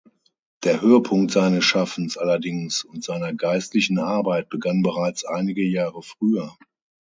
Der Höhepunkt seines Schaffens allerdings und seiner geistlichen Arbeit begann bereits einige Jahre früher.